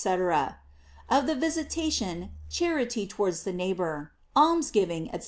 contempt, &c.; of the Visitation, charity tow, ards the neighbor, alms giving, &c.